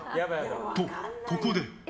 と、ここで。